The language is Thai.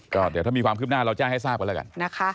ก็เดี๋ยวถ้ามีความคืบหน้าเราแจ้งให้ทราบกันแล้วกันนะคะ